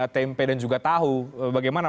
tempe dan juga tahu bagaimana